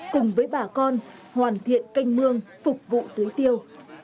cùng với bà con hoàn thiện canh mương phục vụ tưới tiêu